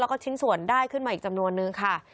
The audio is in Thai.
แล้วก็ชิ้นส่วนได้ขึ้นมาอีกจำนวนนึงค่ะ